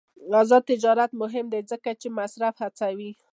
آزاد تجارت مهم دی ځکه چې مصرف هڅوي.